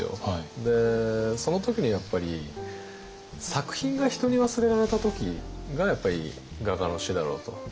その時にやっぱり作品が人に忘れられた時が画家の死だろうと。